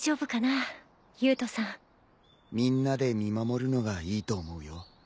みんなで見守るのがいいと思うよ。